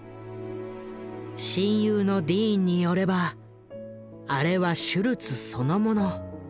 親友のディーンによればあれはシュルツそのもの。